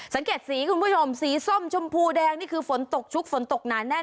สังเกตสีคุณผู้ชมสีส้มชมพูแดงนี่คือฝนตกชุกฝนตกหนาแน่น